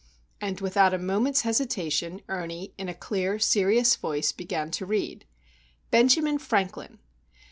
And, without a moment's hesitation, Ernie in a clear, serious voice began to read: BENJAMIN FRANKLIN.